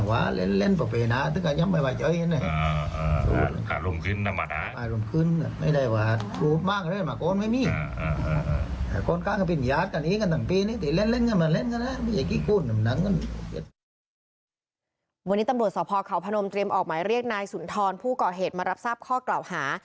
วันนี้ตำรวจสพเขาพนมเตรียมออกหมายเรียกนายสุนทรผู้ก่อเหตุมารับทราบข้อกล่าวหา